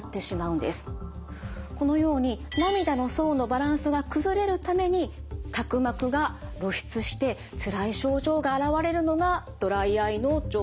このように涙の層のバランスが崩れるために角膜が露出してつらい症状が現れるのがドライアイの状態です。